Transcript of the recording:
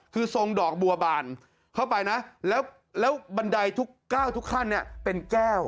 คือทรงดอกบัวบานเข้าไปนะแล้วบันไดทุกก้าวทุกขั้นเนี่ยเป็นแก้ว